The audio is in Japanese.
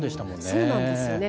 そうなんですよね。